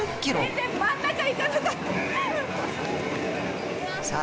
全然真ん中いかなかったさあ